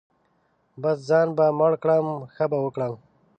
بـس ځان به مړ کړم ښه به وکړم.